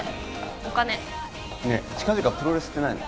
お金ねえ近々プロレスってないの？